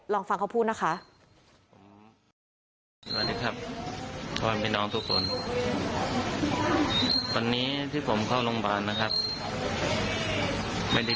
ลองฟังเขาพูดนะคะ